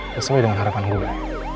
sesuai dengan harapan gue